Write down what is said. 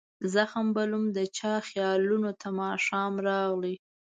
زخم بلوم د چا خیالونو ته ماښام راغلي